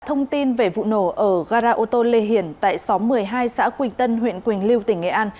thông tin về vụ nổ ở gara ô tô lê hiền tại xóm một mươi hai xã quỳnh tân huyện quỳnh lưu tỉnh nghệ an